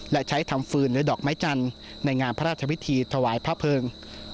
และใช้ทำฟืนหรือดอกไม้จันทร์ในงานพระราชวิธีถวายพระเพิง